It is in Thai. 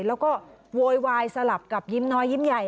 แล้วก็โวยวายสลับกับยิ้มน้อยยิ้มใหญ่